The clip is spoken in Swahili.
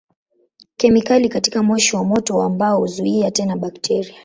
Kemikali katika moshi wa moto wa mbao huzuia tena bakteria.